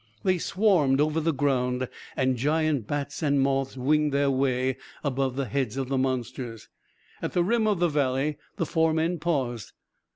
They swarmed over the ground, and giant bats and moths winged their way about the heads of the monsters. At the rim of the valley, the four men paused.